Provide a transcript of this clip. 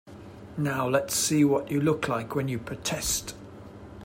Now let's see what you look like when you protest.